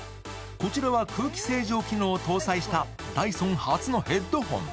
こちらは空気清浄機能を搭載したダイソン初のヘッドホン。